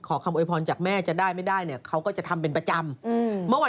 คำโวยพรจากแม่จะได้ไม่ได้เนี่ยเขาก็จะทำเป็นประจำ